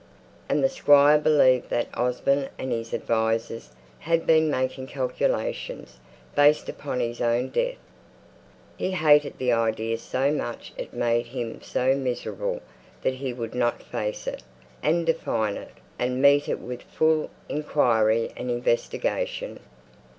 And the Squire believed that Osborne and his advisers had been making calculations, based upon his own death. He hated the idea so much it made him so miserable that he would not face it, and define it, and meet it with full inquiry and investigation.